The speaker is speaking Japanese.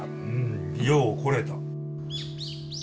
よう来れた。